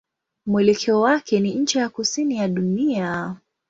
Mwelekeo wake ni ncha ya kusini ya dunia.